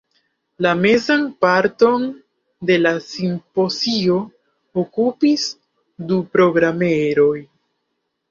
La mezan parton de la simpozio okupis du programeroj.